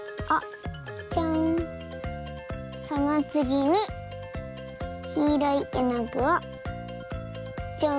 そのつぎにきいろいえのぐをちょん。